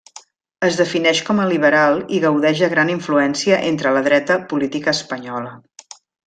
Es defineix com a liberal i gaudeix de gran influència entre la dreta política espanyola.